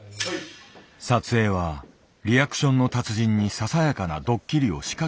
撮影はリアクションの達人にささやかなドッキリを仕掛けることから始めた。